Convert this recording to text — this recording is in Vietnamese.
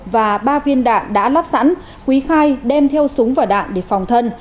và ba viên đạn đã lắp sẵn quý khai đem theo súng và đạn để phòng thân